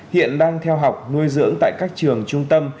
hiện đang theo học nuôi dưỡng tại các trường trung tâm